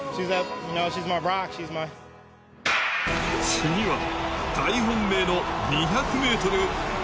次は大本命の２００ｍ。